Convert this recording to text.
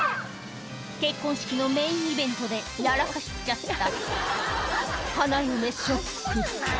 結婚式のメインイベントでやらかしちゃった花嫁ショック